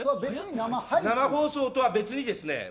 生放送とは別にですね。